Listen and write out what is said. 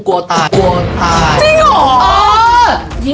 กลัวตาย